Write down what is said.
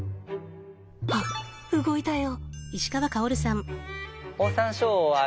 あっ動いたよ。